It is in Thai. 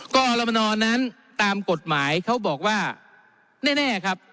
กรมนนั้นตามกฎหมายเขาบอกว่าแน่ครับ